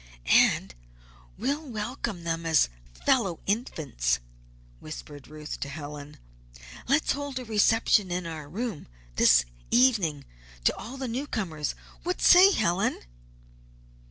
"And we'll welcome them as fellow infants," whispered Ruth to Helen. "Let's hold a reception in our room this evening to all the newcomers. What say, Helen?"